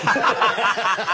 ハハハハ！